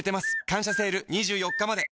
「感謝セール」２４日まで